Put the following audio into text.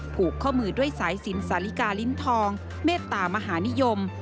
ผูกข้อมือด้วยสายสินสาลิกาลิ้นทองเมตตามหานิยม